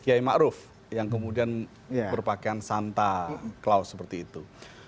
kiai ma'ruf yang kemudian berpakaian santa klaus seperti itu